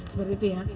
seperti itu ya